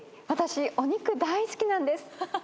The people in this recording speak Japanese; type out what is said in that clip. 私お肉大好きなんです。